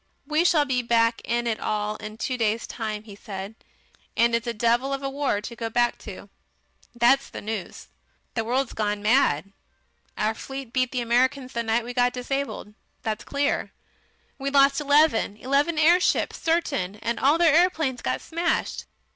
"We shall be back in it all in two days' time," he said. "And it's a devil of a war to go back to. That's the news. The world's gone mad. Our fleet beat the Americans the night we got disabled, that's clear. We lost eleven eleven airships certain, and all their aeroplanes got smashed.